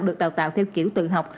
được đào tạo theo kiểu tự học